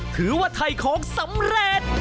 ถือว่าถ่ายของสำเร็จ